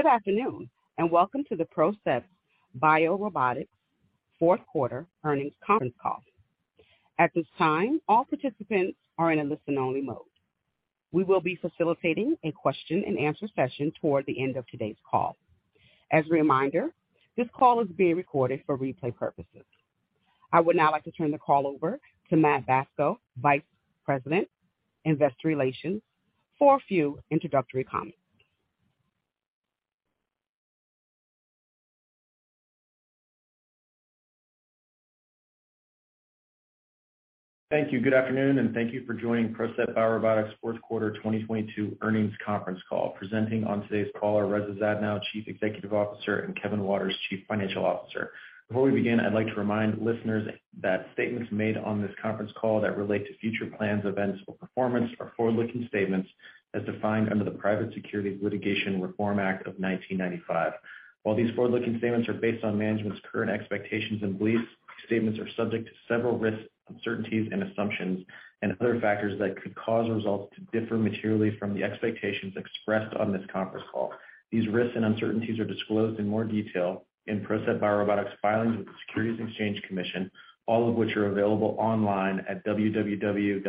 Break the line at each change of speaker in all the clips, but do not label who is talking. Good afternoon, welcome to the PROCEPT BioRobotics fourth quarter earnings conference call. At this time, all participants are in a listen-only mode. We will be facilitating a question and answer session toward the end of today's call. As a reminder, this call is being recorded for replay purposes. I would now like to turn the call over to Matt Bacso, Vice President, Investor Relations, for a few introductory comments.
Thank you. Good afternoon, and thank you for joining PROCEPT BioRobotics fourth quarter 2022 earnings conference call. Presenting on today's call are Reza Zadno, Chief Executive Officer, and Kevin Waters, Chief Financial Officer. Before we begin, I'd like to remind listeners that statements made on this conference call that relate to future plans, events, or performance are forward-looking statements as defined under the Private Securities Litigation Reform Act of 1995. While these forward-looking statements are based on management's current expectations and beliefs, these statements are subject to several risks, uncertainties, and assumptions and other factors that could cause results to differ materially from the expectations expressed on this conference call. These risks and uncertainties are disclosed in more detail in PROCEPT BioRobotics' filings with the Securities and Exchange Commission, all of which are available online at www.sec.gov.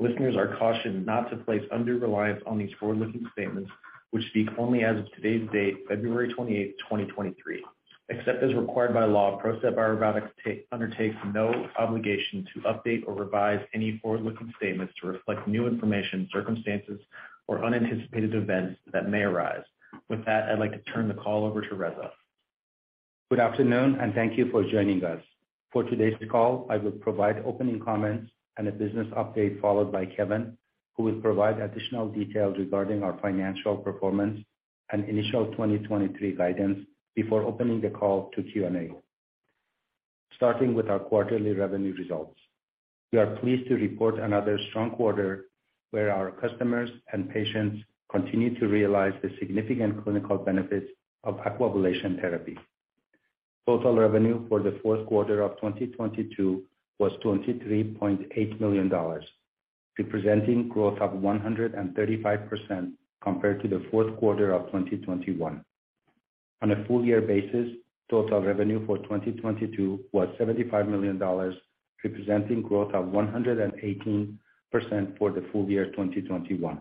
Listeners are cautioned not to place undue reliance on these forward-looking statements, which speak only as of today's date, February 28th, 2023. Except as required by law, PROCEPT BioRobotics undertakes no obligation to update or revise any forward-looking statements to reflect new information, circumstances, or unanticipated events that may arise. With that, I'd like to turn the call over to Reza.
Good afternoon, and thank you for joining us. For today's call, I will provide opening comments and a business update, followed by Kevin, who will provide additional details regarding our financial performance and initial 2023 guidance before opening the call to Q&A. Starting with our quarterly revenue results. We are pleased to report another strong quarter where our customers and patients continue to realize the significant clinical benefits of Aquablation therapy. Total revenue for the fourth quarter of 2022 was $23.8 million, representing growth of 135% compared to the fourth quarter of 2021. On a full year basis, total revenue for 2022 was $75 million, representing growth of 118% for the full year 2021.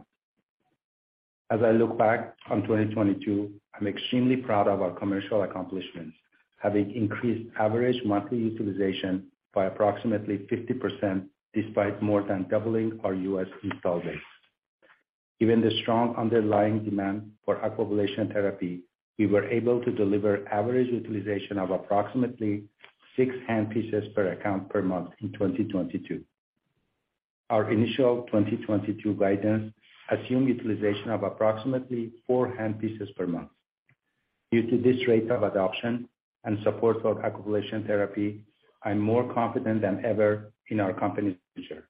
As I look back on 2022, I'm extremely proud of our commercial accomplishments, having increased average monthly utilization by approximately 50% despite more than doubling our U.S. install base. Given the strong underlying demand for Aquablation therapy, we were able to deliver average utilization of approximately six handpieces per account per month in 2022. Our initial 2022 guidance assumed utilization of approximately four handpieces per month. Due to this rate of adoption and support for Aquablation therapy, I'm more confident than ever in our company's future.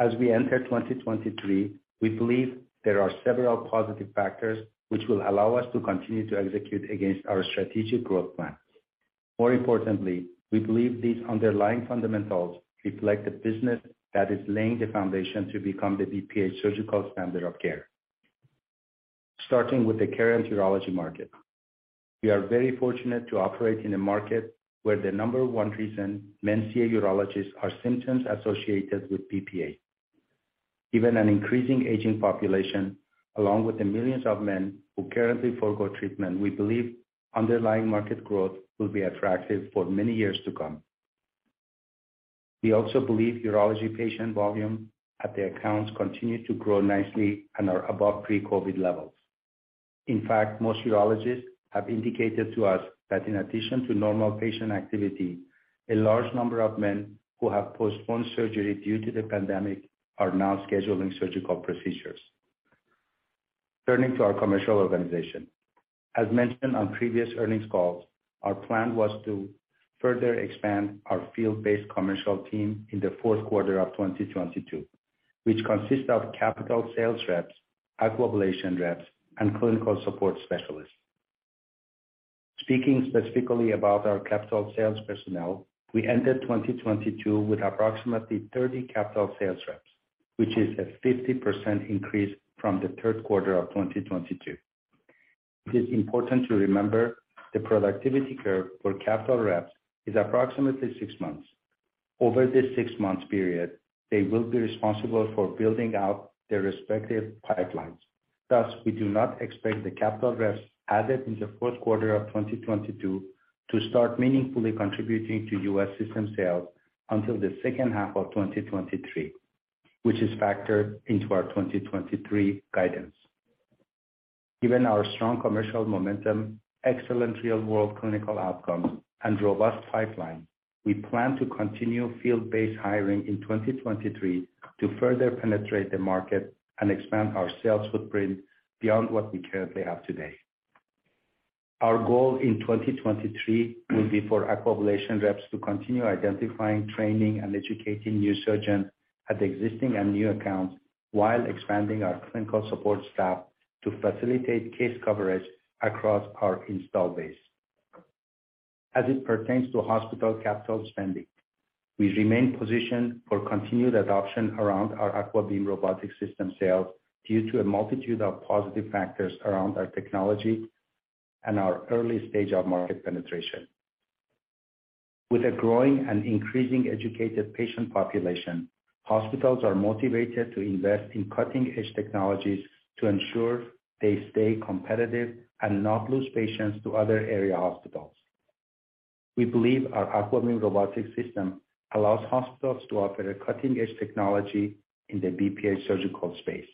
As we enter 2023, we believe there are several positive factors which will allow us to continue to execute against our strategic growth plans. More importantly, we believe these underlying fundamentals reflect a business that is laying the foundation to become the BPH surgical standard of care. Starting with the current urology market. We are very fortunate to operate in a market where the number one reason men see a urologist are symptoms associated with BPH. Given an increasing aging population, along with the millions of men who currently forego treatment, we believe underlying market growth will be attractive for many years to come. We also believe urology patient volume at the accounts continue to grow nicely and are above pre-COVID levels. In fact, most urologists have indicated to us that in addition to normal patient activity, a large number of men who have postponed surgery due to the pandemic are now scheduling surgical procedures. Turning to our commercial organization. As mentioned on previous earnings calls, our plan was to further expand our field-based commercial team in the fourth quarter of 2022, which consists of capital sales reps, Aquablation reps, and clinical support specialists. Speaking specifically about our capital sales personnel, we ended 2022 with approximately 30 capital sales reps, which is a 50% increase from the third quarter of 2022. It is important to remember the productivity curve for capital reps is approximately six months. Over this six-month period, they will be responsible for building out their respective pipelines. We do not expect the capital reps added in the fourth quarter of 2022 to start meaningfully contributing to U.S. system sales until the second half of 2023, which is factored into our 2023 guidance. Given our strong commercial momentum, excellent real-world clinical outcomes, and robust pipeline, we plan to continue field-based hiring in 2023 to further penetrate the market and expand our sales footprint beyond what we currently have today. Our goal in 2023 will be for Aquablation reps to continue identifying, training, and educating new surgeons at existing and new accounts while expanding our clinical support staff to facilitate case coverage across our install base. As it pertains to hospital capital spending, we remain positioned for continued adoption around our AquaBeam robotic system sales due to a multitude of positive factors around our technology and our early stage of market penetration. With a growing and increasing educated patient population, hospitals are motivated to invest in cutting-edge technologies to ensure they stay competitive and not lose patients to other area hospitals. We believe our AquaBeam robotic system allows hospitals to offer a cutting-edge technology in the BPH surgical space.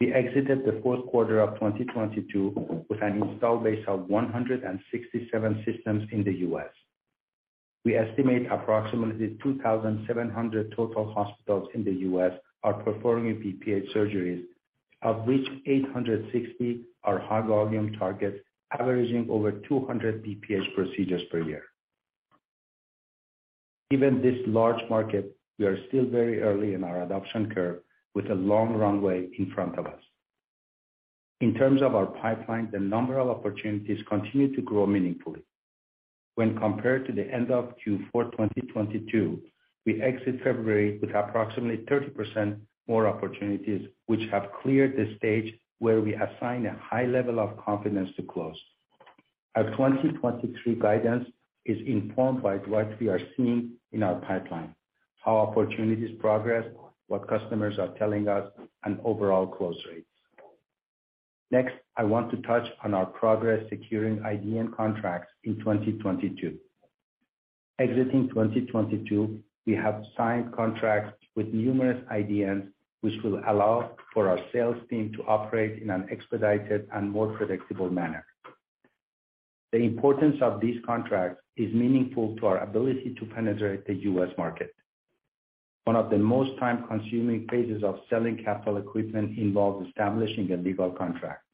We exited the fourth quarter of 2022 with an install base of 167 systems in the U.S.. We estimate approximately 2,700 total hospitals in the U.S. are performing BPH surgeries, of which 860 are high volume targets, averaging over 200 BPH procedures per year. Given this large market, we are still very early in our adoption curve with a long runway in front of us. In terms of our pipeline, the number of opportunities continue to grow meaningfully. When compared to the end of Q4 2022, we exit February with approximately 30% more opportunities which have cleared the stage where we assign a high level of confidence to close. Our 2023 guidance is informed by what we are seeing in our pipeline, how opportunities progress, what customers are telling us, and overall close rates. Next, I want to touch on our progress securing IDN contracts in 2022. Exiting 2022, we have signed contracts with numerous IDNs, which will allow for our sales team to operate in an expedited and more predictable manner. The importance of these contracts is meaningful to our ability to penetrate the U.S. market. One of the most time-consuming phases of selling capital equipment involves establishing a legal contract.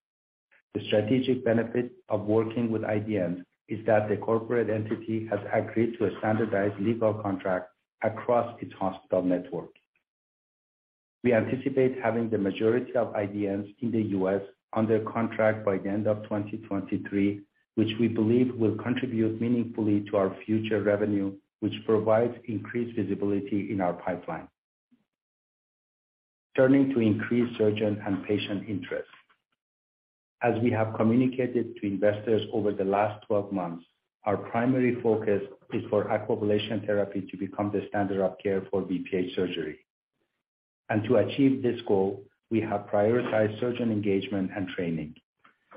The strategic benefit of working with IDNs is that the corporate entity has agreed to a standardized legal contract across its hospital network. We anticipate having the majority of IDNs in the U.S. under contract by the end of 2023, which we believe will contribute meaningfully to our future revenue, which provides increased visibility in our pipeline. Turning to increased surgeon and patient interest. As we have communicated to investors over the last 12 months, our primary focus is for Aquablation therapy to become the standard of care for BPH surgery. To achieve this goal, we have prioritized surgeon engagement and training.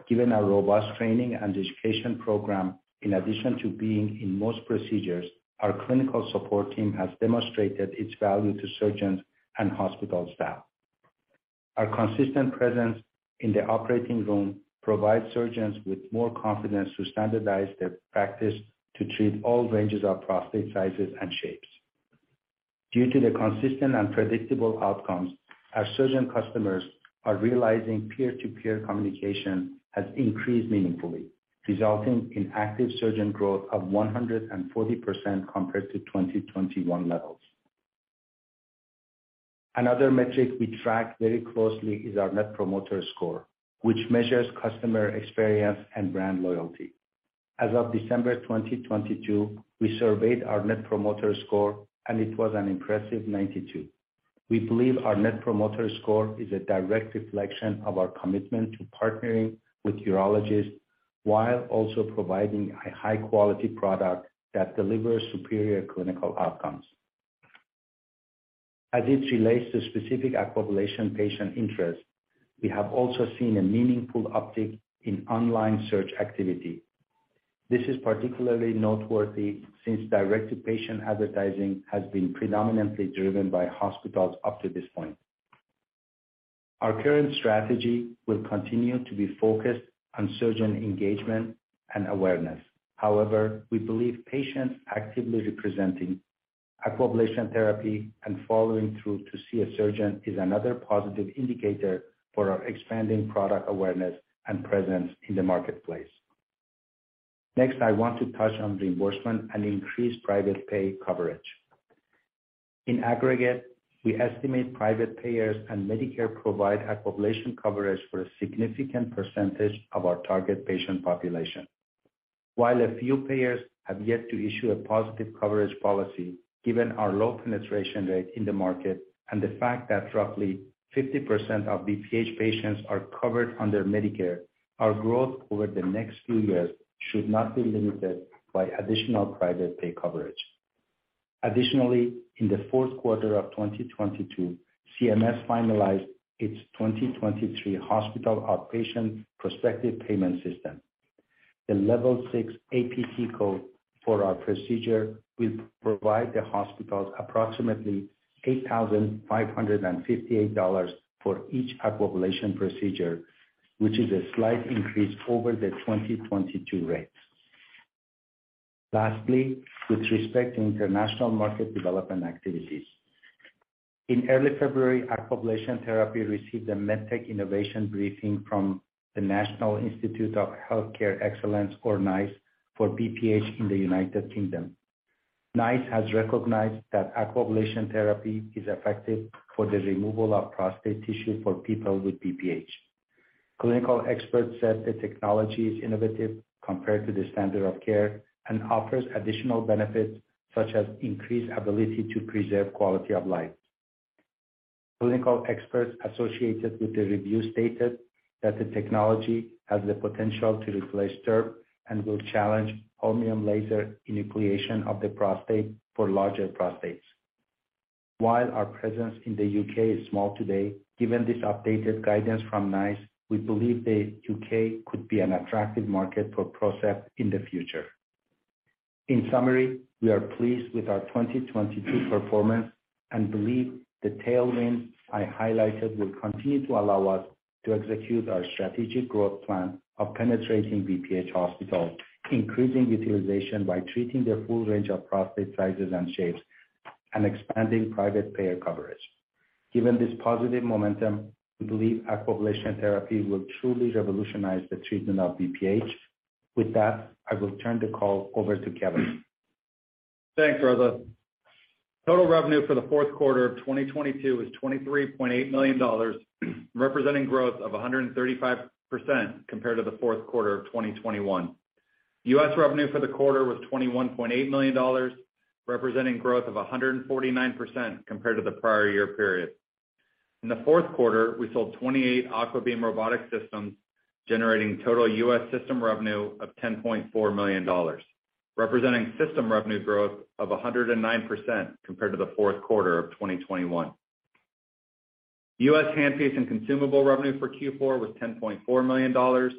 Given our robust training and education program, in addition to being in most procedures, our clinical support team has demonstrated its value to surgeons and hospital staff. Our consistent presence in the operating room provides surgeons with more confidence to standardize their practice to treat all ranges of prostate sizes and shapes. Due to the consistent and predictable outcomes, our surgeon customers are realizing peer-to-peer communication has increased meaningfully, resulting in active surgeon growth of 140% compared to 2021 levels. Another metric we track very closely is our Net Promoter Score, which measures customer experience and brand loyalty. As of December 2022, we surveyed our Net Promoter Score, and it was an impressive 92. We believe our net promoter score is a direct reflection of our commitment to partnering with urologists while also providing a high quality product that delivers superior clinical outcomes. As it relates to specific Aquablation patient interest, we have also seen a meaningful uptick in online search activity. This is particularly noteworthy since direct-to-patient advertising has been predominantly driven by hospitals up to this point. Our current strategy will continue to be focused on surgeon engagement and awareness. We believe patients actively representing Aquablation therapy and following through to see a surgeon is another positive indicator for our expanding product awareness and presence in the marketplace. I want to touch on reimbursement and increased private pay coverage. In aggregate, we estimate private payers and Medicare provide Aquablation coverage for a significant percentage of our target patient population. While a few payers have yet to issue a positive coverage policy, given our low penetration rate in the market and the fact that roughly 50% of BPH patients are covered under Medicare, our growth over the next few years should not be limited by additional private pay coverage. Additionally, in the fourth quarter of 2022, CMS finalized its 2023 Hospital Outpatient Prospective Payment System. The level six APC code for our procedure will provide the hospitals approximately $8,558 for each Aquablation procedure, which is a slight increase over the 2022 rates. Lastly, with respect to international market development activities. In early February, Aquablation therapy received a MedTech Innovation Briefing from the National Institute for Health and Care Excellence, or NICE, for BPH in the U.K. NICE has recognized that Aquablation therapy is effective for the removal of prostate tissue for people with BPH. Clinical experts said the technology is innovative compared to the standard of care and offers additional benefits, such as increased ability to preserve quality of life. Clinical experts associated with the review stated that the technology has the potential to replace TURP and will challenge holmium laser enucleation of the prostate for larger prostates. While our presence in the U.K. is small today, given this updated guidance from NICE, we believe the U.K. could be an attractive market for PROCEPT in the future. In summary, we are pleased with our 2022 performance and believe the tailwinds I highlighted will continue to allow us to execute our strategic growth plan of penetrating BPH hospitals, increasing utilization by treating the full range of prostate sizes and shapes, and expanding private payer coverage. Given this positive momentum, we believe Aquablation therapy will truly revolutionize the treatment of BPH. With that, I will turn the call over to Kevin.
Thanks, Reza. Total revenue for the fourth quarter of 2022 was $23.8 million, representing growth of 135% compared to the fourth quarter of 2021. U.S. revenue for the quarter was $21.8 million, representing growth of 149% compared to the prior year period. In the fourth quarter, we sold 28 AquaBeam robotic systems, generating total U.S. system revenue of $10.4 million, representing system revenue growth of 109% compared to the fourth quarter of 2021. U.S. handpiece and consumable revenue for Q4 was $10.4 million,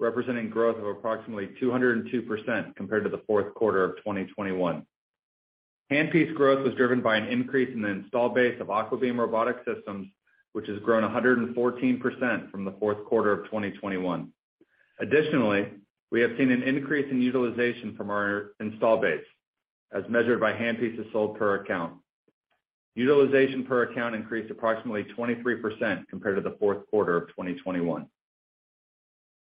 representing growth of approximately 202% compared to the fourth quarter of 2021. Handpiece growth was driven by an increase in the install base of AquaBeam robotic systems, which has grown 114% from the fourth quarter of 2021. We have seen an increase in utilization from our install base, as measured by handpieces sold per account. Utilization per account increased approximately 23% compared to the fourth quarter of 2021.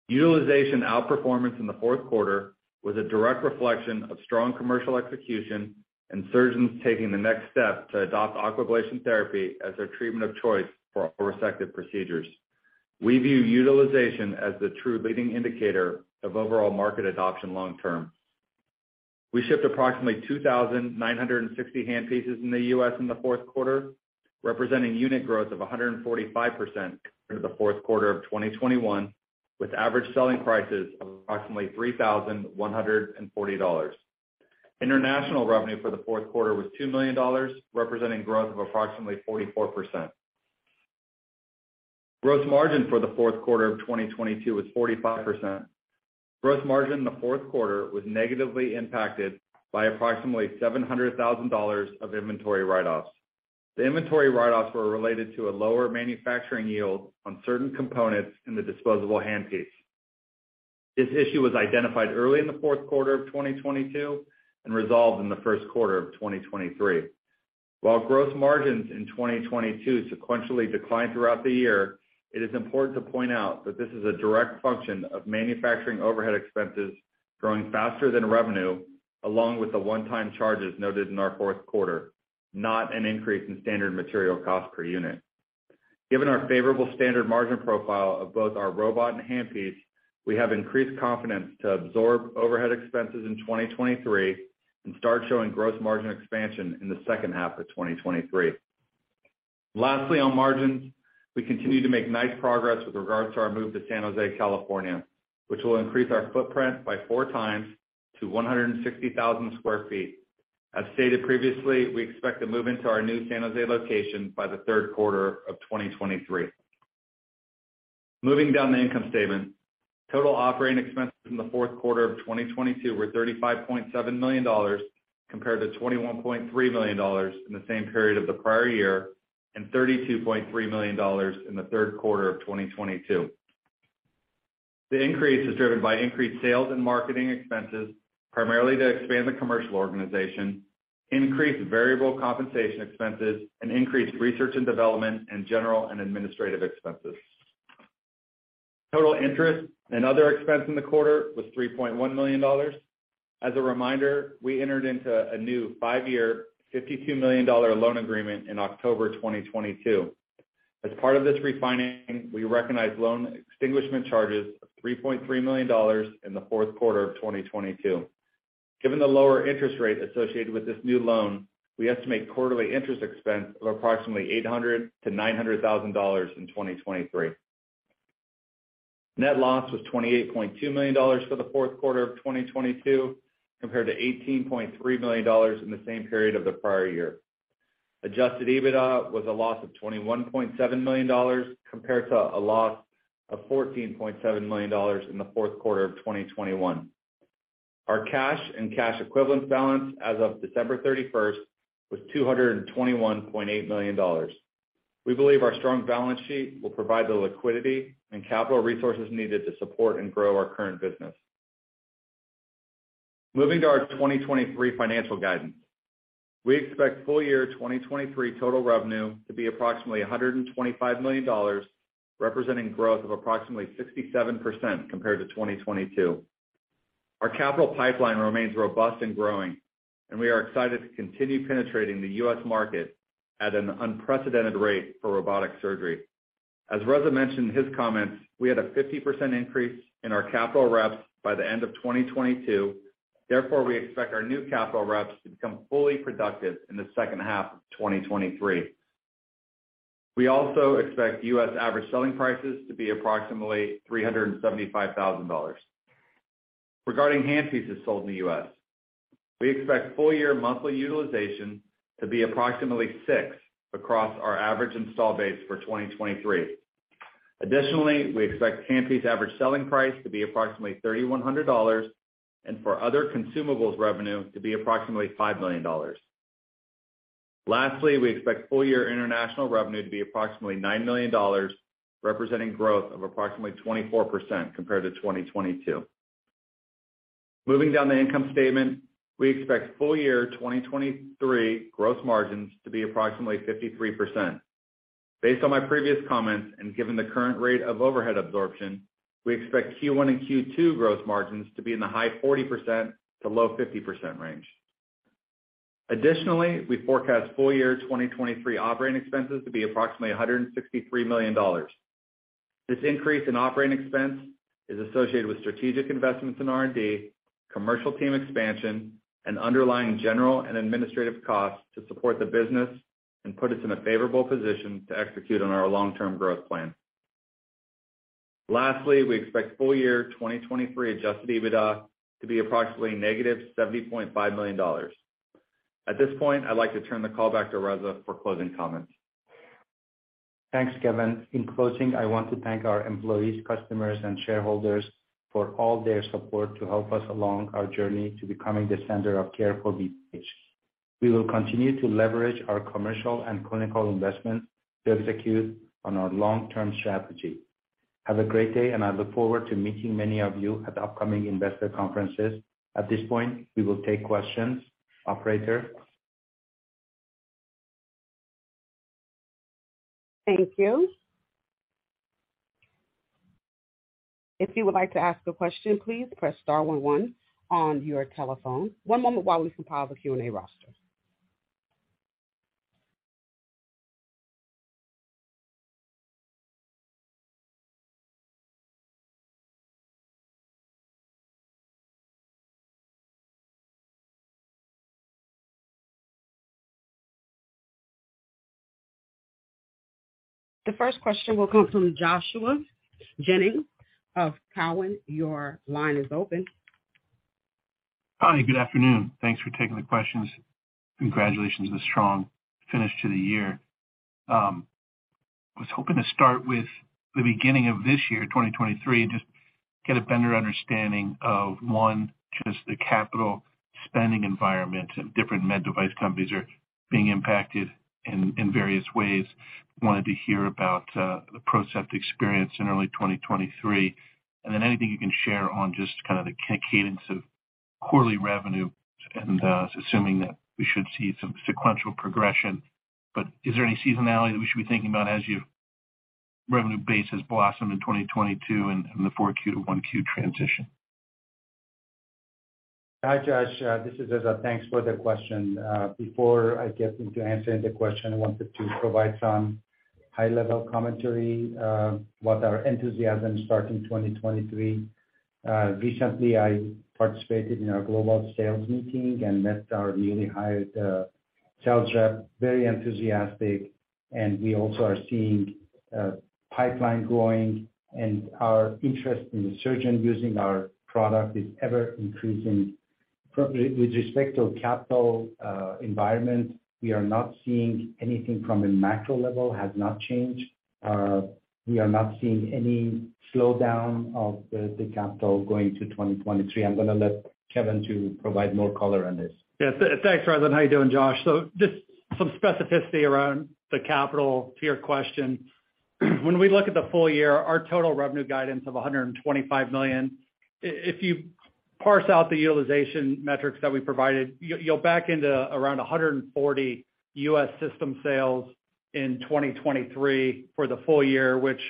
Utilization outperformance in the fourth quarter was a direct reflection of strong commercial execution and surgeons taking the next step to adopt Aquablation therapy as their treatment of choice for all resective procedures. We view utilization as the true leading indicator of overall market adoption long term. We shipped approximately 2,960 handpieces in the U.S. in the fourth quarter, representing unit growth of 145% compared to the fourth quarter of 2021, with average selling prices of approximately $3,140. International revenue for the fourth quarter was $2 million, representing growth of approximately 44%. Gross margin for the fourth quarter of 2022 was 45%. Gross margin in the fourth quarter was negatively impacted by approximately $700,000 of inventory write-offs. The inventory write-offs were related to a lower manufacturing yield on certain components in the disposable handpiece. This issue was identified early in the fourth quarter of 2022 and resolved in the first quarter of 2023. While gross margins in 2022 sequentially declined throughout the year, it is important to point out that this is a direct function of manufacturing overhead expenses growing faster than revenue, along with the one-time charges noted in our fourth quarter, not an increase in standard material cost per unit. Given our favorable standard margin profile of both our robot and handpiece, we have increased confidence to absorb overhead expenses in 2023 and start showing gross margin expansion in the second half of 2023. Lastly, on margins, we continue to make nice progress with regards to our move to San Jose, California, which will increase our footprint by four times to 160,000 sq ft. As stated previously, we expect to move into our new San Jose location by the third quarter of 2023. Moving down the income statement, total operating expenses in the fourth quarter of 2022 were $35.7 million, compared to $21.3 million in the same period of the prior year, and $32.3 million in the third quarter of 2022. The increase is driven by increased sales and marketing expenses, primarily to expand the commercial organization, increased variable compensation expenses, and increased research and development and general and administrative expenses. Total interest and other expense in the quarter was $3.1 million. As a reminder, we entered into a new five-year, $52 million loan agreement in October 2022. As part of this refinancing, we recognized loan extinguishment charges of $3.3 million in the fourth quarter of 2022. Given the lower interest rate associated with this new loan, we estimate quarterly interest expense of approximately $800,000-$900,000 in 2023. Net loss was $28.2 million for the fourth quarter of 2022, compared to $18.3 million in the same period of the prior year. Adjusted EBITDA was a loss of $21.7 million, compared to a loss of $14.7 million in the fourth quarter of 2021. Our cash and cash equivalents balance as of December 31st was $221.8 million. We believe our strong balance sheet will provide the liquidity and capital resources needed to support and grow our current business. Moving to our 2023 financial guidance. We expect full year 2023 total revenue to be approximately $125 million, representing growth of approximately 67% compared to 2022. Our capital pipeline remains robust and growing, and we are excited to continue penetrating the U.S. market at an unprecedented rate for robotic surgery. As Reza mentioned in his comments, we had a 50% increase in our capital reps by the end of 2022. Therefore, we expect our new capital reps to become fully productive in the second half of 2023. We also expect U.S. average selling prices to be approximately $375,000. Regarding handpieces sold in the U.S., we expect full year monthly utilization to be approximately six across our average install base for 2023. Additionally, we expect handpiece average selling price to be approximately $3,100 and for other consumables revenue to be approximately $5 million. Lastly, we expect full year international revenue to be approximately $9 million, representing growth of approximately 24% compared to 2022. Moving down the income statement, we expect full year 2023 gross margins to be approximately 53%. Based on my previous comments and given the current rate of overhead absorption, we expect Q1 and Q2 gross margins to be in the high 40% to low 50% range. Additionally, we forecast full year 2023 operating expenses to be approximately $163 million. This increase in operating expense is associated with strategic investments in R&D, commercial team expansion, and underlying general and administrative costs to support the business and put us in a favorable position to execute on our long-term growth plan. Lastly, we expect full year 2023 Adjusted EBITDA to be approximately negative $70.5 million. At this point, I'd like to turn the call back to Reza for closing comments.
Thanks, Kevin. In closing, I want to thank our employees, customers, and shareholders for all their support to help us along our journey to becoming the center of care for BPH. We will continue to leverage our commercial and clinical investments to execute on our long-term strategy. Have a great day, and I look forward to meeting many of you at the upcoming investor conferences. At this point, we will take questions. Operator?
Thank you. If you would like to ask a question, please press star one one on your telephone. One moment while we compile the Q&A roster. The first question will come from Joshua Jennings of Cowen. Your line is open.
Hi, good afternoon. Thanks for taking the questions. Congratulations on the strong finish to the year. was hoping to start with the beginning of this year, 2023, just get a better understanding of one, just the capital spending environment and different med device companies are being impacted in various ways. Wanted to hear about the PROCEPT experience in early 2023, and then anything you can share on just kind of the cadence of quarterly revenue and assuming that we should see some sequential progression. Is there any seasonality that we should be thinking about as you revenue base has blossomed in 2022 and the 4Q to 1Q transition?
Hi, Josh. This is Reza. Thanks for the question. Before I get into answering the question, I wanted to provide some high-level commentary about our enthusiasm starting 2023. Recently, I participated in our global sales meeting and met our newly hired sales rep, very enthusiastic, and we also are seeing pipeline growing and our interest in the surgeon using our product is ever-increasing. With respect to capital environment, we are not seeing anything from a macro level, has not changed. We are not seeing any slowdown of the capital going to 2023. I'm gonna let Kevin to provide more color on this.
Yeah, thanks, Reza. How you doing, Josh? Just some specificity around the capital to your question. When we look at the full year, our total revenue guidance of $125 million, if you parse out the utilization metrics that we provided, you'll back into around 140 U.S. system sales in 2023 for the full year, which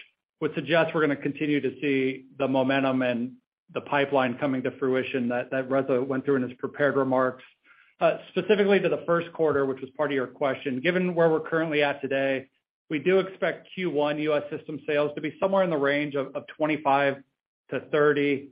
would suggest we're gonna continue to see the momentum and the pipeline coming to fruition that Reza went through in his prepared remarks. Specifically to the first quarter, which was part of your question, given where we're currently at today, we do expect Q1 U.S. system sales to be somewhere in the range of 25-30.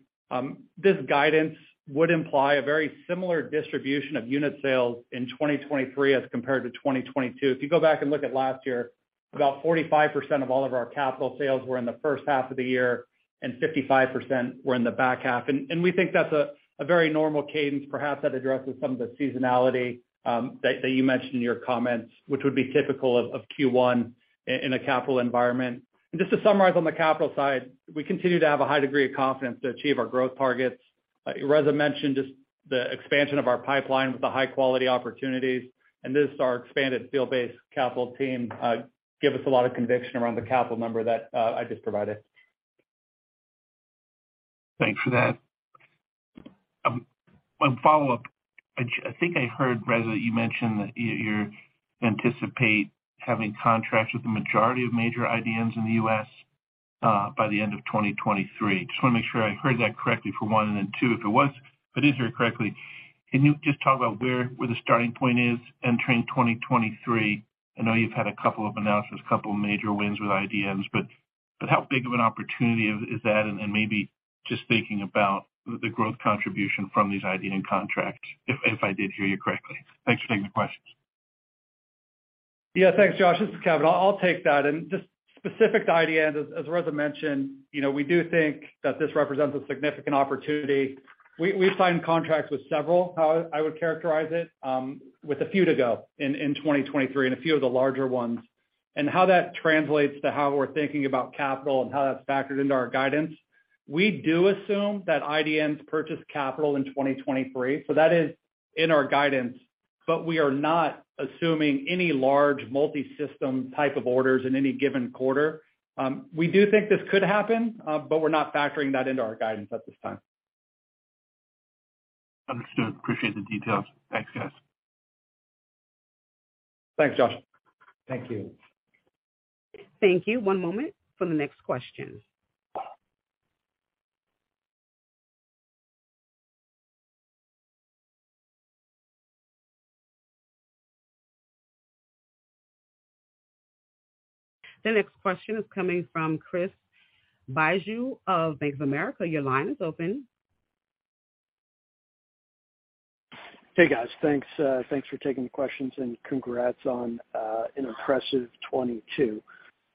This guidance would imply a very similar distribution of unit sales in 2023 as compared to 2022. If you go back and look at last year, about 45% of all of our capital sales were in the first half of the year, 55% were in the back half. We think that's a very normal cadence. Perhaps that addresses some of the seasonality that you mentioned in your comments, which would be typical of Q1 in a capital environment. Just to summarize on the capital side, we continue to have a high degree of confidence to achieve our growth targets. Reza mentioned just the expansion of our pipeline with the high-quality opportunities, and this is our expanded field-based capital team give us a lot of conviction around the capital number that I just provided.
Thanks for that. One follow-up. I think I heard, Reza, you mentioned that you anticipate having contracts with the majority of major IDNs in the U.S. by the end of 2023. Just wanna make sure I heard that correctly for one. Then two, if it was... if I did hear it correctly, can you just talk about where the starting point is entering 2023? I know you've had a couple of announcements, a couple major wins with IDNs, but how big of an opportunity is that? Maybe just thinking about the growth contribution from these IDN contracts, if I did hear you correctly. Thanks for taking the questions.
Yeah. Thanks, Josh. This is Kevin. I'll take that. Just specific to IDN, as Reza mentioned, you know, we do think that this represents a significant opportunity. We signed contracts with several, how I would characterize it, with a few to go in 2023, and a few of the larger ones. How that translates to how we're thinking about capital and how that's factored into our guidance, we do assume that IDNs purchase capital in 2023, so that is in our guidance. We are not assuming any large multi-system type of orders in any given quarter. We do think this could happen, but we're not factoring that into our guidance at this time.
Understood. Appreciate the details. Thanks, guys.
Thanks, Josh.
Thank you.
Thank you. One moment for the next question. The next question is coming from Craig Bijou of Bank of America. Your line is open.
Hey, guys. Thanks, thanks for taking the questions and congrats on an impressive 2022.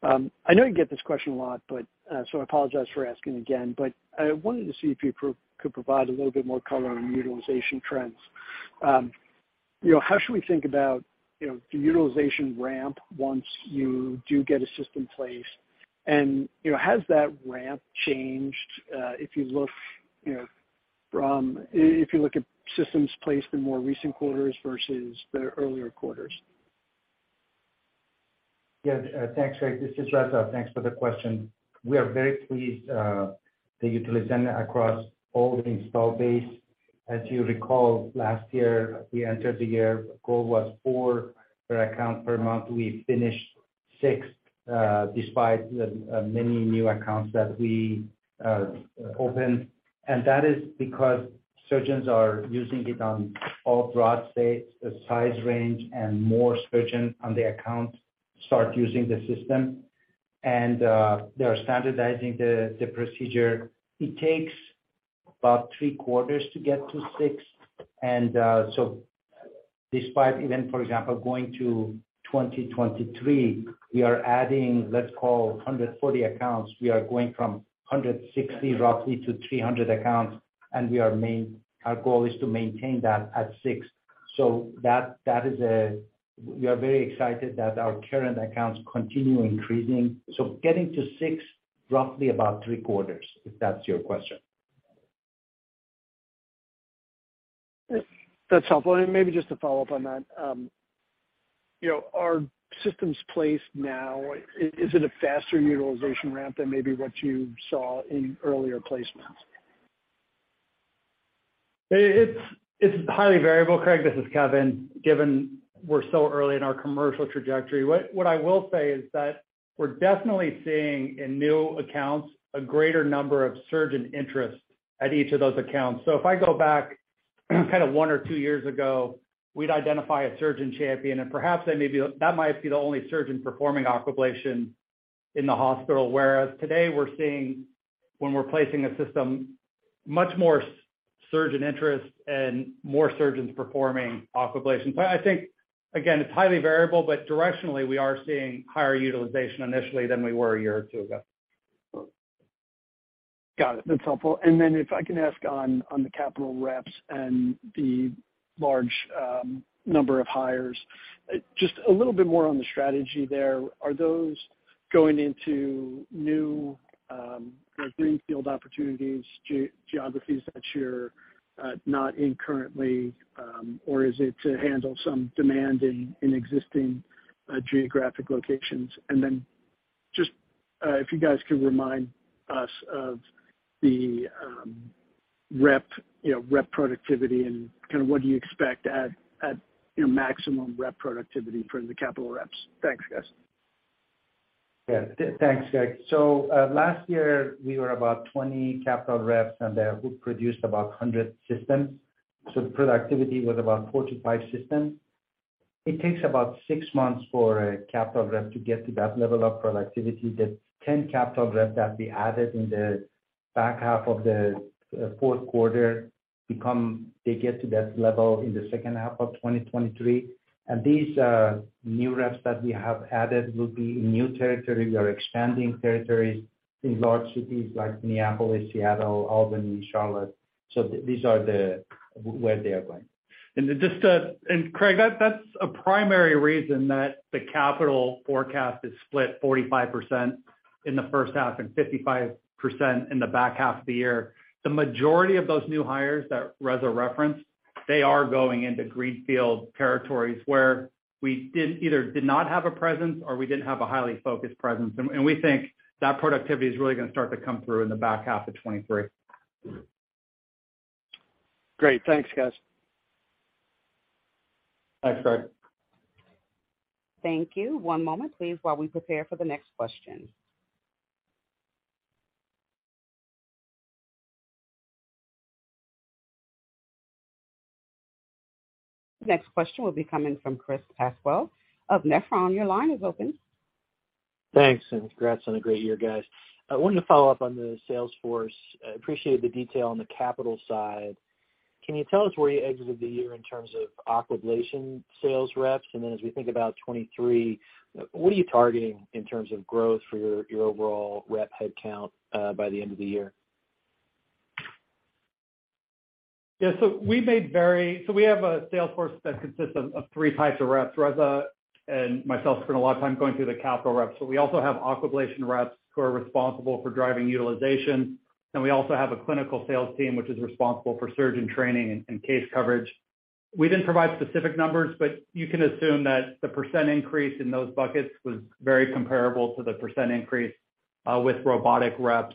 I know you get this question a lot, but so I apologize for asking again, but I wanted to see if you could provide a little bit more color on utilization trends. You know, how should we think about, you know, the utilization ramp once you do get a system placed? You know, has that ramp changed, if you look, you know, from... if you look at systems placed in more recent quarters versus the earlier quarters?
Yeah. Thanks, Craig. This is Reza. Thanks for the question. We are very pleased, the utilization across all the install base. As you recall, last year we entered the year, goal was four per account per month. We finished six, despite the many new accounts that we opened. That is because surgeons are using it on all prostates, the size range, and more surgeons on the account start using the system. They are standardizing the procedure. It takes about three quarters to get to six. So despite even, for example, going to 2023, we are adding, let's call 140 accounts. We are going from 160 roughly to 300 accounts, and we are our goal is to maintain that at six. That is, we are very excited that our current accounts continue increasing. Getting to six, roughly about three quarters, if that's your question.
That's helpful. Maybe just to follow up on that, you know, are systems placed now, is it a faster utilization ramp than maybe what you saw in earlier placements?
It's highly variable, Craig, this is Kevin. Given we're so early in our commercial trajectory. What I will say is that we're definitely seeing in new accounts a greater number of surgeon interest at each of those accounts. If I go back kind of one or two years ago, we'd identify a surgeon champion, and perhaps that might be the only surgeon performing Aquablation in the hospital. Whereas today we're seeing when we're placing a system much more surgeon interest and more surgeons performing Aquablation. I think, again, it's highly variable, but directionally we are seeing higher utilization initially than we were a year or two ago.
Got it. That's helpful. If I can ask on the capital reps and the large number of hires. Just a little bit more on the strategy there. Are those going into new, kind of greenfield opportunities, geographies that you're not in currently? Or is it to handle some demand in existing geographic locations? Just if you guys could remind us of the rep, you know, rep productivity and kind of what do you expect at, you know, maximum rep productivity for the capital reps. Thanks, guys.
Yeah. Thanks, Craig. Last year we were about 20 capital reps and we produced about 100 systems, so productivity was about 4-5 systems. It takes about 6 months for a capital rep to get to that level of productivity. The 10 capital reps that we added in the back half of the fourth quarter, they get to that level in the second half of 2023. These new reps that we have added will be in new territory. We are expanding territories in large cities like Minneapolis, Seattle, Albany, Charlotte. These are where they are going.
Craig, that's a primary reason that the capital forecast is split 45% in the first half and 55% in the back half of the year. The majority of those new hires that Reza referenced. They are going into greenfield territories where we did either did not have a presence or we didn't have a highly focused presence. We think that productivity is really going to start to come through in the back half of 2023.
Great. Thanks, guys.
Thanks, Craig.
Thank you. One moment please while we prepare for the next question. The next question will be coming from Chris Pasquale of Nephron. Your line is open.
Thanks, congrats on a great year, guys. I wanted to follow up on the sales force. I appreciated the detail on the capital side. Can you tell us where you exited the year in terms of Aquablation sales reps? As we think about 2023, what are you targeting in terms of growth for your overall rep headcount by the end of the year?
Yeah. We have a sales force that consists of three types of reps. Reza and myself spend a lot of time going through the capital reps. We also have Aquablation reps who are responsible for driving utilization. We also have a clinical sales team, which is responsible for surgeon training and case coverage. We didn't provide specific numbers, you can assume that the % increase in those buckets was very comparable to the % increase with robotic reps.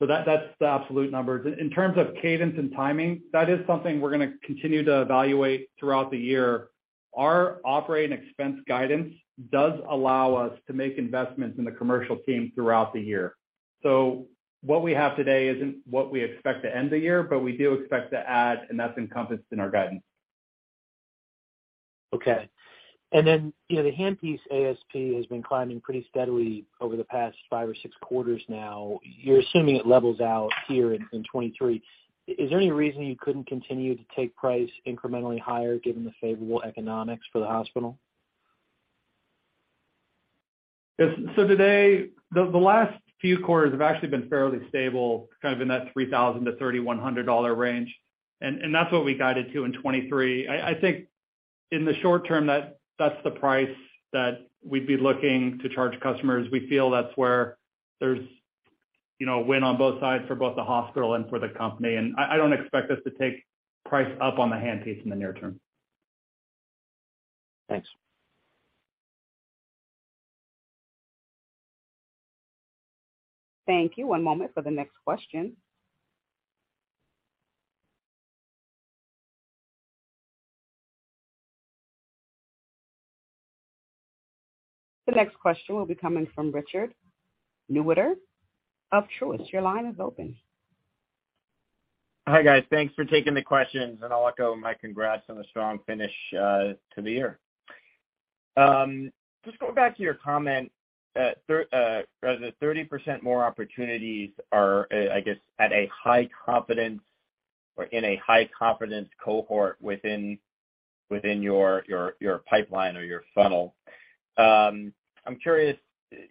That's the absolute numbers. In terms of cadence and timing, that is something we're gonna continue to evaluate throughout the year. Our operating expense guidance does allow us to make investments in the commercial team throughout the year. What we have today isn't what we expect to end the year, but we do expect to add, and that's encompassed in our guidance.
Okay. You know, the handpiece ASP has been climbing pretty steadily over the past five or six quarters now. You're assuming it levels out here in 2023. Is there any reason you couldn't continue to take price incrementally higher given the favorable economics for the hospital?
Today, the last few quarters have actually been fairly stable, kind of in that $3,000-$3,100 range. That's what we guided to in 2023. I think in the short term, that's the price that we'd be looking to charge customers. We feel that's where there's, you know, win on both sides for both the hospital and for the company. I don't expect us to take price up on the handpiece in the near term.
Thanks.
Thank you. One moment for the next question. The next question will be coming from Richard Newitter of Truist. Your line is open.
Hi, guys. Thanks for taking the questions. I'll echo my congrats on a strong finish to the year. Just going back to your comment, Reza, 30% more opportunities are, I guess at a high confidence or in a high confidence cohort within your pipeline or your funnel. I'm curious,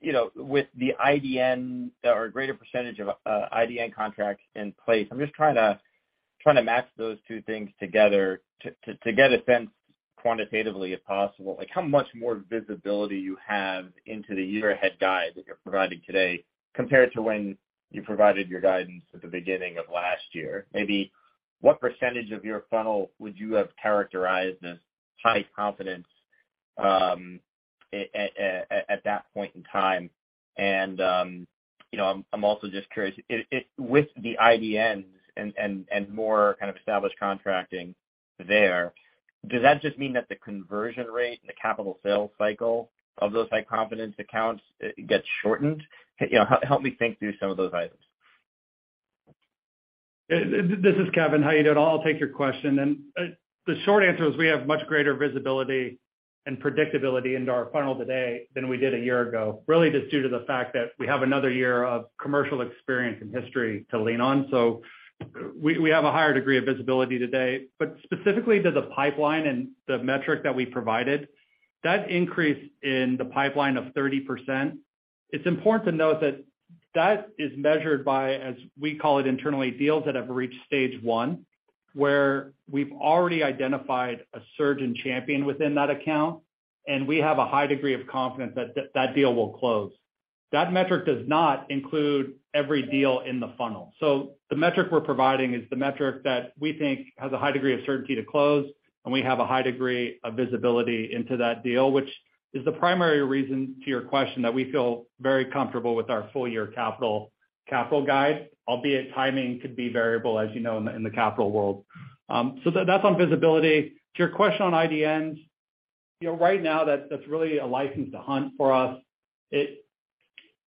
you know, with the IDN or a greater percentage of IDN contracts in place, I'm just trying to match those two things together to get a sense quantitatively if possible, like how much more visibility you have into the year ahead guide that you're providing today compared to when you provided your guidance at the beginning of last year. Maybe what % of your funnel would you have characterized as high confidence at that point in time? You know, I'm also just curious, with the IDNs and more kind of established contracting there, does that just mean that the conversion rate and the capital sales cycle of those high confidence accounts gets shortened? You know, help me think through some of those items.
This is Kevin. How you doing? I'll take your question. The short answer is we have much greater visibility and predictability into our funnel today than we did a year ago, really just due to the fact that we have another year of commercial experience and history to lean on. We have a higher degree of visibility today. Specifically to the pipeline and the metric that we provided, that increase in the pipeline of 30%, it's important to note that that is measured by, as we call it internally, deals that have reached stage one, where we've already identified a surgeon champion within that account, and we have a high degree of confidence that that deal will close. That metric does not include every deal in the funnel. The metric we're providing is the metric that we think has a high degree of certainty to close, and we have a high degree of visibility into that deal, which is the primary reason, to your question, that we feel very comfortable with our full year capital guide. Albeit timing could be variable, as you know, in the capital world. That's on visibility. To your question on IDNs, you know, right now that's really a license to hunt for us.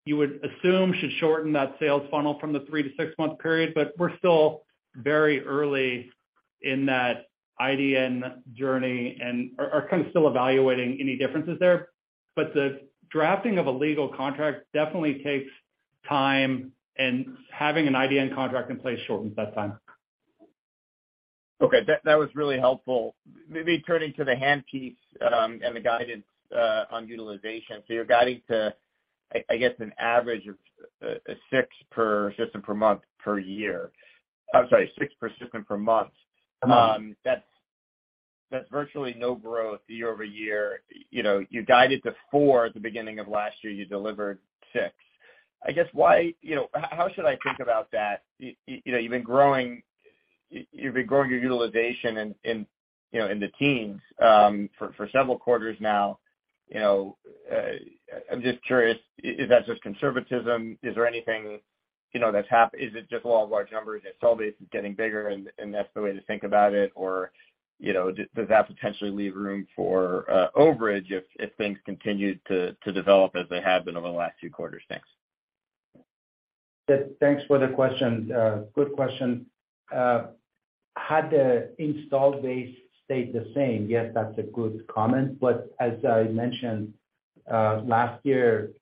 You would assume should shorten that sales funnel from the 3-6 month period, but we're still very early in that IDN journey and are kind of still evaluating any differences there. The drafting of a legal contract definitely takes time, and having an IDN contract in place shortens that time.
Okay. That was really helpful. Maybe turning to the handpiece, and the guidance on utilization. You're guiding to, I guess an average of six per system per month, per year. I'm sorry, six per system per month. That's virtually no growth year-over-year. You know, you guided to four at the beginning of last year, you delivered six. I guess why... You know, how should I think about that? You know, you've been growing, you've been growing your utilization in, you know, in the teens, for several quarters now. You know, I'm just curious, is that just conservatism? Is there anything, you know, that's Is it just law of large numbers installed base is getting bigger and that's the way to think about it? you know, does that potentially leave room for overage if things continue to develop as they have been over the last two quarters? Thanks.
Thanks for the question. Good question. Had the installed base stayed the same, yes, that's a good comment. As I mentioned, last year,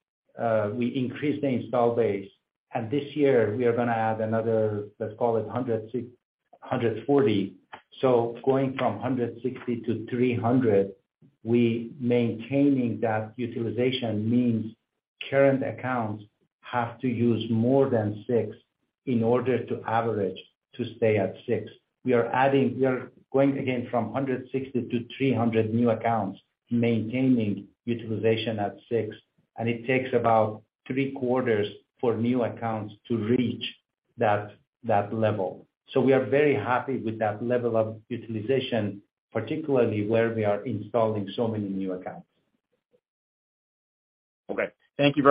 we increased the install base, and this year we are gonna add another, let's call it 140. Going from 160-300, we maintaining that utilization means current accounts have to use more than six in order to average to stay at six. We are going again from 160-300 new accounts, maintaining utilization at six, and it takes about three quarters for new accounts to reach that level. We are very happy with that level of utilization, particularly where we are installing so many new accounts.
Okay. Thank you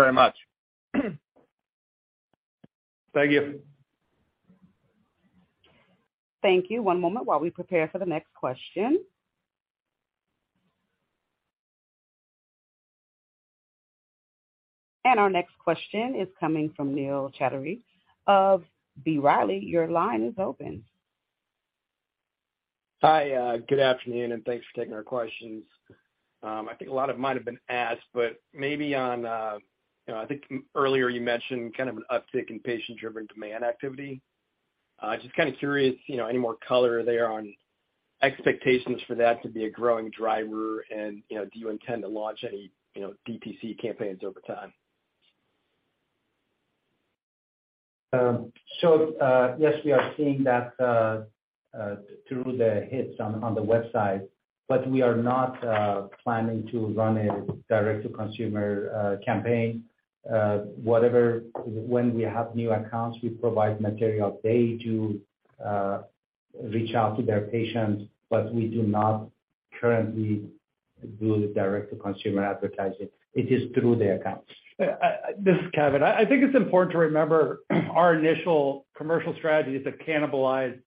very much.
Thank you.
Thank you. One moment while we prepare for the next question. Our next question is coming from Neil Chatterji of B. Riley. Your line is open.
Hi, good afternoon, and thanks for taking our questions. I think a lot of it might have been asked, but maybe on, you know, I think earlier you mentioned kind of an uptick in patient-driven demand activity. Just kind of curious, you know, any more color there on expectations for that to be a growing driver, and, you know, do you intend to launch any, you know, DPC campaigns over time?
Yes, we are seeing that through the hits on the website, but we are not planning to run a direct to consumer campaign. When we have new accounts, we provide material. They do reach out to their patients, but we do not currently do the direct to consumer advertising. It is through the accounts.
This is Kevin. I think it's important to remember our initial commercial strategy is to cannibalize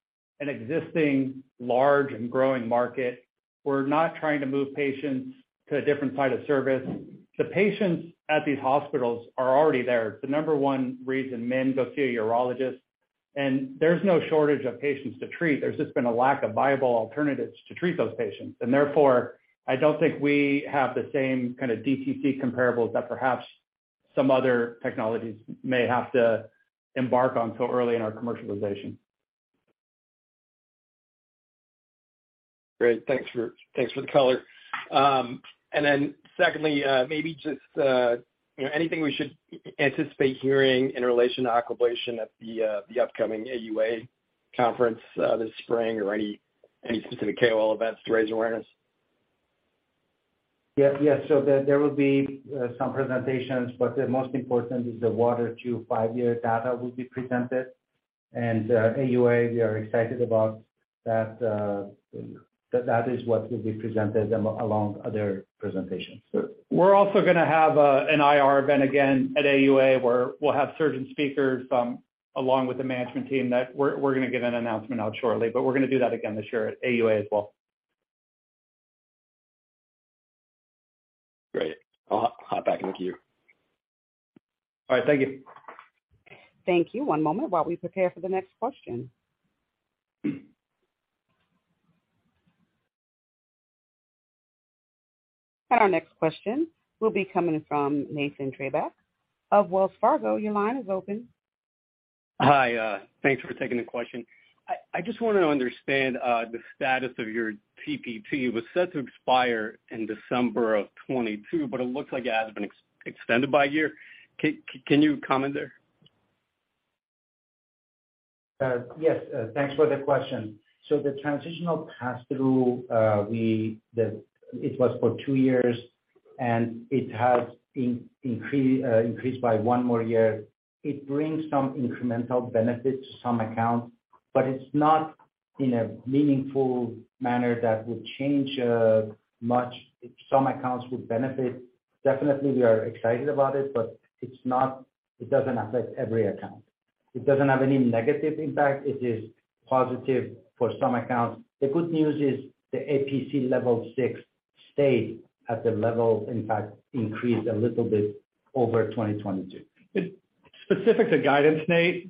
an existing large and growing market. We're not trying to move patients to a different site of service. The patients at these hospitals are already there. The number one reason men go see a urologist, there's no shortage of patients to treat, there's just been a lack of viable alternatives to treat those patients. Therefore, I don't think we have the same kind of DTC comparables that perhaps some other technologies may have to embark on so early in our commercialization.
Great. Thanks for the color. Secondly, maybe just, you know, anything we should anticipate hearing in relation to Aquablation at the upcoming AUA conference this spring or any specific KOL events to raise awareness?
Yes. Yes. There, there will be some presentations, but the most important is the WATER II five-year data will be presented. AUA, we are excited about that is what will be presented along other presentations.
We're also gonna have an IR event again at AUA, where we'll have surgeon speakers, along with the management team that we're gonna get an announcement out shortly. We're gonna do that again this year at AUA as well.
Great. I'll hop back in the queue.
All right. Thank you.
Thank you. One moment while we prepare for the next question. Our next question will be coming from Nathan Treybeck of Wells Fargo. Your line is open.
Hi. Thanks for taking the question. I just wanted to understand the status of your TPT. It was set to expire in December of 2022. It looks like it has been extended by a year. Can you comment there?
Yes. Thanks for the question. The transitional pass-through. It was for two years, and it has increased by 1 more year. It brings some incremental benefits to some accounts, but it's not in a meaningful manner that would change much. Some accounts would benefit. Definitely, we are excited about it, but it doesn't affect every account. It doesn't have any negative impact. It is positive for some accounts. The good news is the APC level six stayed at the level, in fact, increased a little bit over 2022.
Specific to guidance, Nate,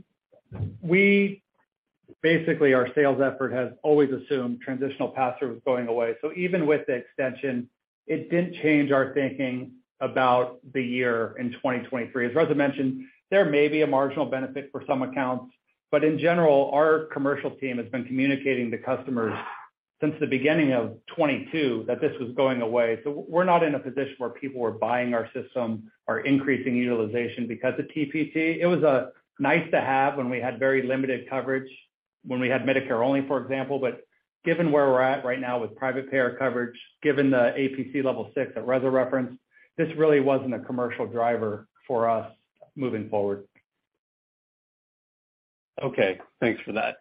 basically, our sales effort has always assumed transitional pass-through was going away. Even with the extension, it didn't change our thinking about the year in 2023. As Reza mentioned, there may be a marginal benefit for some accounts, but in general, our commercial team has been communicating to customers since the beginning of 2022 that this was going away. We're not in a position where people were buying our system or increasing utilization because of TPT. It was nice to have when we had very limited coverage. When we had Medicare only, for example. Given where we're at right now with private payer coverage, given the APC level six at Reza referenced, this really wasn't a commercial driver for us moving forward.
Okay. Thanks for that.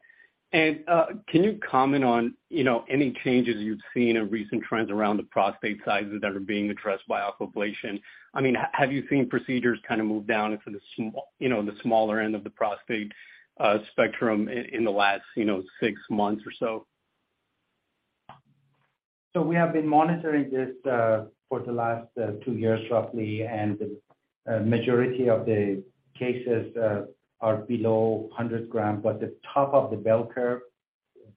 Can you comment on, you know, any changes you've seen in recent trends around the prostate sizes that are being addressed by Aquablation? I mean, have you seen procedures kind of move down into the small, you know, the smaller end of the prostate spectrum in the last, you know, six months or so?
We have been monitoring this for the last two years roughly, and the majority of the cases are below 100 gram, but the top of the bell curve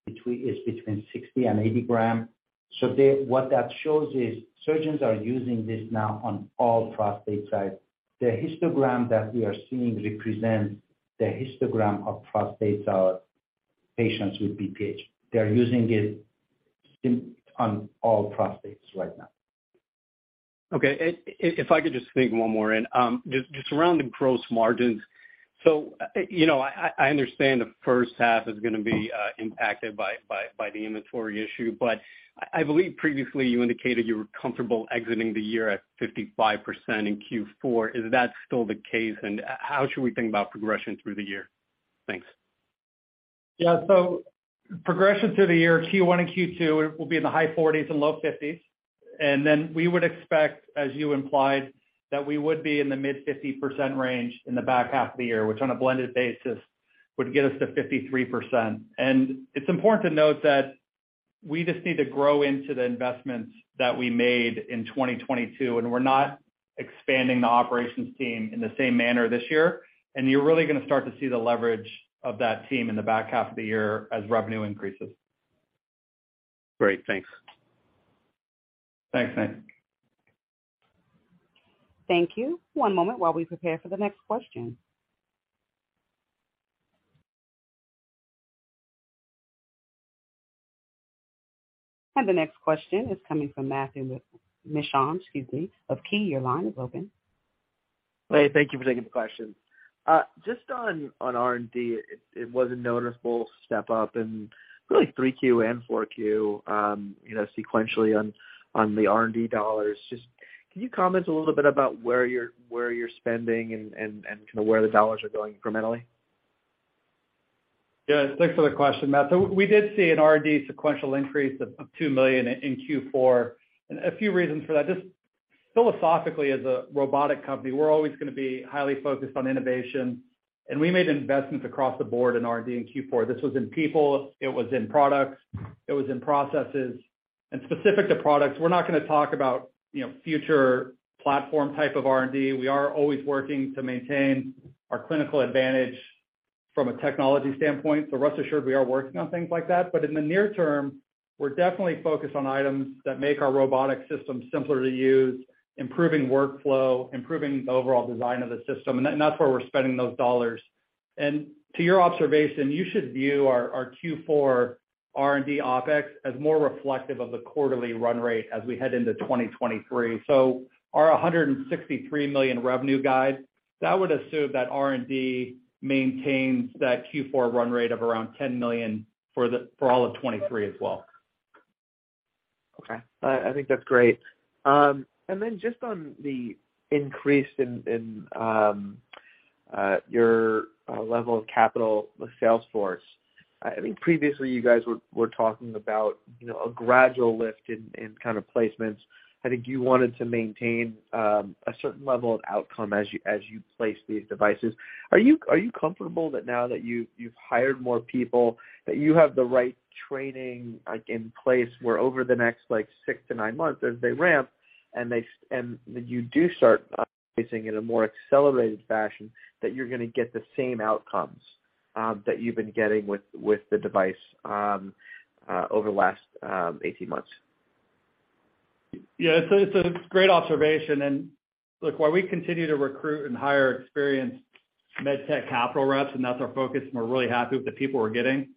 is between 60 and 80 gram. What that shows is surgeons are using this now on all prostate size. The histogram that we are seeing represents the histogram of prostate cell patients with BPH. They're using it on all prostates right now.
Okay. If, if I could just sneak one more in. Just around the gross margins. You know, I understand the first half is gonna be impacted by the inventory issue, but I believe previously you indicated you were comfortable exiting the year at 55% in Q4. Is that still the case? And how should we think about progression through the year? Thanks.
Yeah. Progression through the year, Q1 and Q2 will be in the high 40s and low 50s. We would expect, as you implied, that we would be in the mid-50% range in the back half of the year, which on a blended basis would get us to 53%. It's important to note that we just need to grow into the investments that we made in 2022, and we're not expanding the operations team in the same manner this year. You're really gonna start to see the leverage of that team in the back half of the year as revenue increases.
Great. Thanks.
Thanks, Nick.
Thank you. One moment while we prepare for the next question. The next question is coming from Matthew Mishan, excuse me, of KeyBanc. Your line is open.
Hey, thank you for taking the question. Just on R&D, it was a noticeable step up in really 3Q and 4Q, you know, sequentially on the R&D dollars. Just can you comment a little bit about where you're spending and kinda where the dollars are going incrementally?
Yeah. Thanks for the question, Matt. We did see an R&D sequential increase of $2 million in Q4. A few reasons for that. Just philosophically, as a robotic company, we're always gonna be highly focused on innovation, and we made investments across the board in R&D in Q4. This was in people, it was in products, it was in processes. Specific to products, we're not gonna talk about, you know, future platform type of R&D. We are always working to maintain our clinical advantage from a technology standpoint. Rest assured we are working on things like that. In the near term, we're definitely focused on items that make our robotic system simpler to use, improving workflow, improving the overall design of the system, and that's where we're spending those dollars. To your observation, you should view our Q4 R&D OpEx as more reflective of the quarterly run rate as we head into 2023. Our $163 million revenue guide, that would assume that R&D maintains that Q4 run rate of around $10 million for all of 2023 as well.
Okay. I think that's great. Just on the increase in your level of capital with Salesforce, I think previously you guys were talking about, you know, a gradual lift in kind of placements. I think you wanted to maintain a certain level of outcome as you place these devices. Are you comfortable that now that you've hired more people, that you have the right training, like, in place where over the next like 6-9 months as they ramp and you do start placing in a more accelerated fashion, that you're gonna get the same outcomes that you've been getting with the device over the last 18 months?
Yeah. It's a great observation. Look, while we continue to recruit and hire experienced MedTech capital reps, and that's our focus and we're really happy with the people we're getting,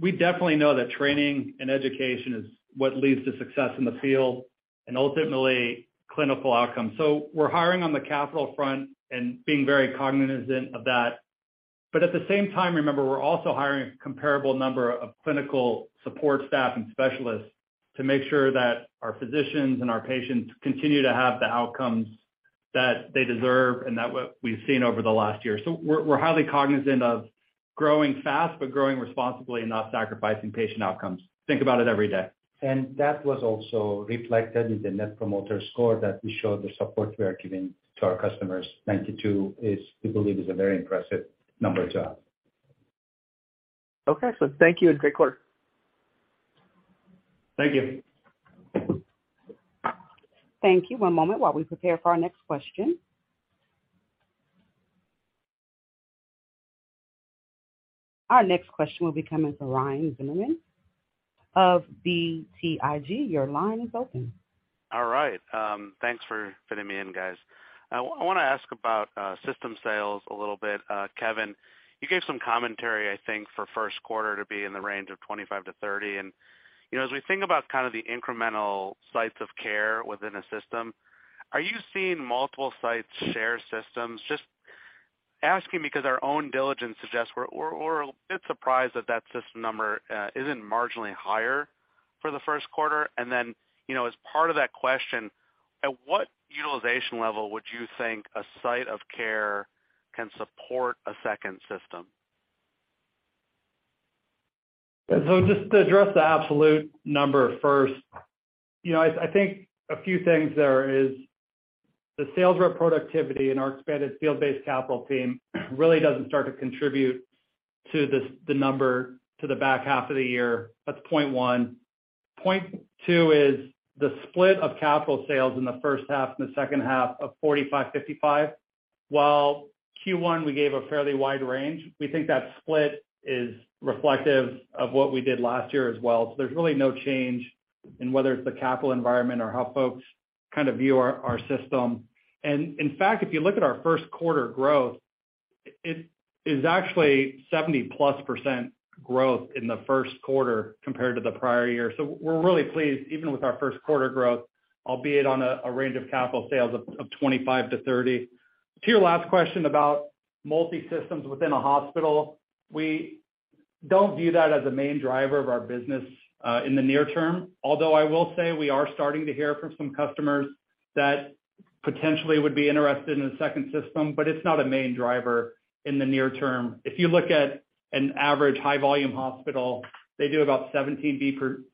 we definitely know that training and education is what leads to success in the field and ultimately clinical outcomes. We're hiring on the capital front and being very cognizant of that. At the same time, remember, we're also hiring a comparable number of clinical support staff and specialists to make sure that our physicians and our patients continue to have the outcomes that they deserve and that what we've seen over the last year. We're highly cognizant of growing fast, but growing responsibly and not sacrificing patient outcomes. Think about it every day.
That was also reflected in the Net Promoter Score that we showed the support we are giving to our customers. 92, we believe, is a very impressive number as well.
Okay. Thank you and great quarter.
Thank you.
Thank you. One moment while we prepare for our next question. Our next question will be coming from Ryan Zimmerman of BTIG. Your line is open.
All right. Thanks for fitting me in, guys. I wanna ask about system sales a little bit. Kevin, you gave some commentary, I think, for first quarter to be in the range of 25-30. You know, as we think about kind of the incremental sites of care within a system, are you seeing multiple sites share systems? Just asking because our own diligence suggests we're a bit surprised that that system number isn't marginally higher for the first quarter. Then, you know, as part of that question, at what utilization level would you think a site of care can support a second system?
Just to address the absolute number first. You know, I think a few things there is the sales rep productivity and our expanded field-based capital team really doesn't start to contribute to this, the number to the back half of the year. That's point one. Point two is the split of capital sales in the first half and the second half of 45-55. While Q1 we gave a fairly wide range, we think that split is reflective of what we did last year as well. There's really no change in whether it's the capital environment or how folks kind of view our system. In fact, if you look at our first quarter growth, it is actually 70%+ growth in the first quarter compared to the prior year. We're really pleased even with our first quarter growth, albeit on a range of capital sales of 25-30. To your last question about multi-systems within a hospital, we don't view that as a main driver of our business in the near term. I will say we are starting to hear from some customers that potentially would be interested in a second system, but it's not a main driver in the near term. If you look at an average high volume hospital, they do about 17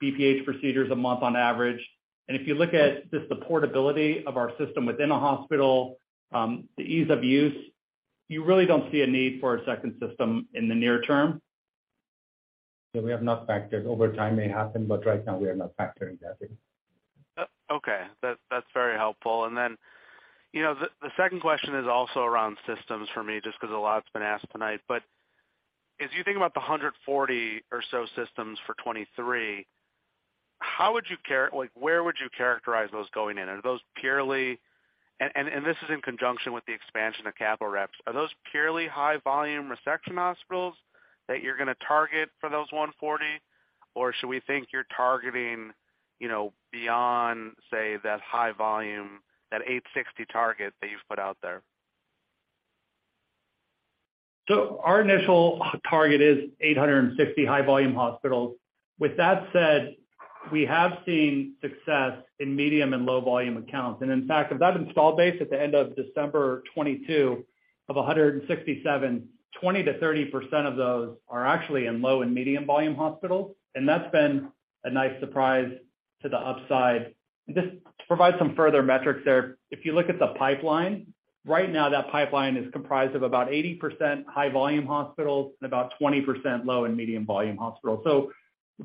BPH procedures a month on average. If you look at just the portability of our system within a hospital, the ease of use, you really don't see a need for a second system in the near term.
We have not factored. Over time may happen, but right now we are not factoring that in.
Okay. That's very helpful. You know, the second question is also around systems for me, just 'cause a lot's been asked tonight. As you think about the 140 or so systems for 23, how would you characterize those going in? Are those purely... This is in conjunction with the expansion of capital reps. Are those purely high volume resection hospitals that you're gonna target for those 140? Should we think you're targeting, you know, beyond, say, that high volume, that 860 target that you've put out there?
Our initial target is 860 high volume hospitals. With that said, we have seen success in medium and low volume accounts. In fact, of that install base at the end of December 2022 of 167, 20%-30% of those are actually in low and medium volume hospitals, and that's been a nice surprise to the upside. Just to provide some further metrics there. If you look at the pipeline, right now, that pipeline is comprised of about 80% high volume hospitals and about 20% low and medium volume hospitals.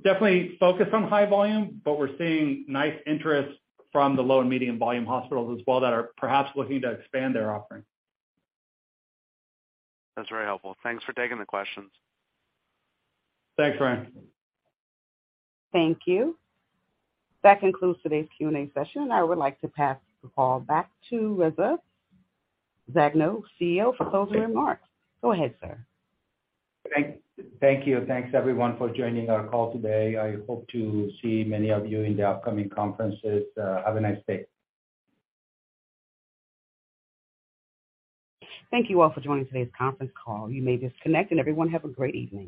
Definitely focused on high volume, but we're seeing nice interest from the low and medium volume hospitals as well that are perhaps looking to expand their offering.
That's very helpful. Thanks for taking the questions.
Thanks, Ryan.
Thank you. That concludes today's Q&A session. I would like to pass the call back to Reza Zadno, CEO, for closing remarks. Go ahead, sir.
Thank you. Thanks, everyone for joining our call today. I hope to see many of you in the upcoming conferences. Have a nice day.
Thank you all for joining today's conference call. You may disconnect, everyone have a great evening.